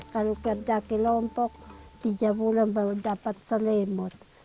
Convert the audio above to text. kalau kerja kelompok tiga bulan baru dapat selimut